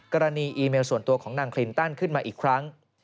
กรณีอีเมลส่วนตัวของนางคลินตันขึ้นมาอีกครั้ง